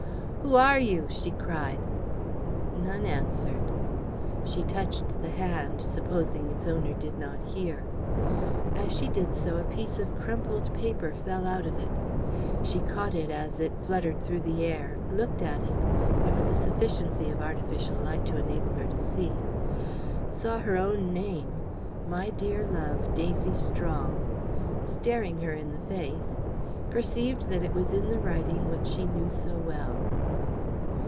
"Who are you?" she cried. None answered. She touched the hand, supposing its owner did not hear. As she did so a piece of crumpled paper fell out of it. She caught at it as it fluttered through the air; looked at it there was a sufficiency of artificial light to enable her to see saw her own name "my dear love, Daisy Strong" staring her in the face; perceived that it was in the writing which she knew so well.